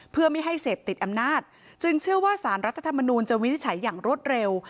เพื่อไม่ให้เสพติดอำนาจจึงเชื่อว่าสารรัฐธรรมนูลจะวินิจฉัยอย่างรวดเร็ว